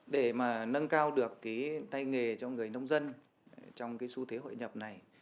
để mà nâng cao được cái tay nghề cho người nông dân trong cái xu thế hội nhập này